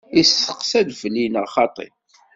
Isteqsa-d felli neɣ xaṭṭi?